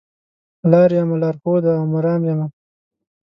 لار یمه لار ښوده او مرام یمه